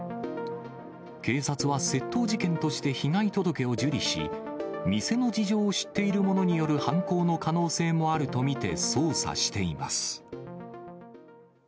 警察は窃盗事件として被害届を受理し、店の事情を知っている者による犯行の可能性もあると見て、捜査しています。